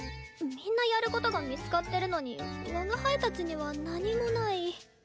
みんなやることが見つかってるのに我が輩たちには何もない。